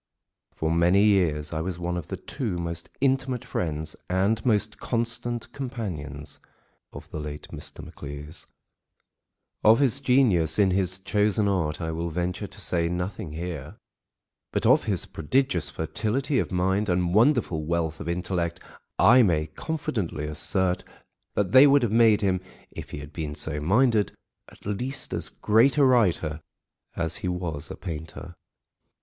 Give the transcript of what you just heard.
For many years I was one of the two most intimate friends and most constant companions of the late Mr. Maclise. Of his genius in his chosen art I will venture to say nothing here, but of his prodigious fertility of mind and wonderful wealth of intellect, I may confidently assert that they would have made him, if he had been so minded, at least as great a writer as he was a painter.